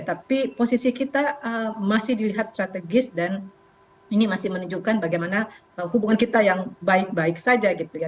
tapi posisi kita masih dilihat strategis dan ini masih menunjukkan bagaimana hubungan kita yang baik baik saja gitu ya